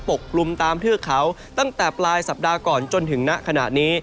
กลุ่มตามเทือกเขาตั้งแต่ปลายสัปดาห์ก่อนจนถึงณขณะนี้